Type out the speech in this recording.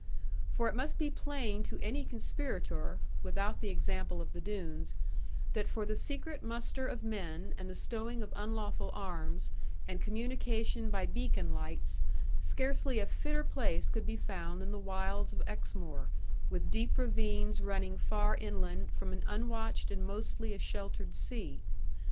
For it must be plain to any conspirator (without the example of the Doones) that for the secret muster of men and the stowing of unlawful arms, and communication by beacon lights, scarcely a fitter place could be found than the wilds of Exmoor, with deep ravines running far inland from an unwatched and mostly a sheltered sea.